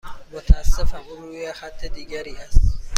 متاسفم، او روی خط دیگری است.